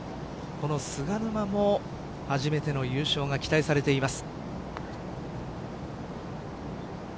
この菅沼も初めての優勝が期待されています。